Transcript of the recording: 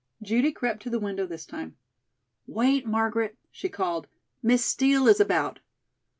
Judy crept to the window this time. "Wait, Margaret," she called. "Miss Steel is about."